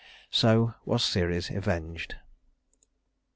So was Ceres avenged.